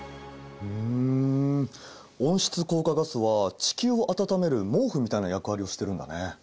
ん温室効果ガスは地球を暖める毛布みたいな役割をしてるんだね。